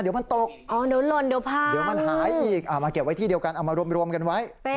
เดี๋ยวมันตกเดี๋ยวมันหายอีกเอามาเก็บไว้ที่เดียวกันเอามารวมกันไว้